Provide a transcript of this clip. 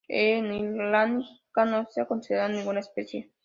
En "Iranica" no se ha considerado ninguna especie.